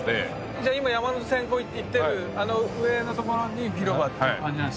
じゃ今山手線行ってるあの上のところに広場っていう感じなんですね。